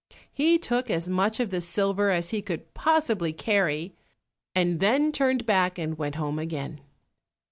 He took as much of the silver as he could possibly carry, and then turned back and went home again.